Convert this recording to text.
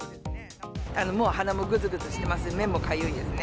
もう鼻もぐずぐずしてます、目もかゆいですね。